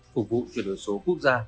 phục vụ chuyển đổi số quốc gia